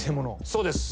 そうです。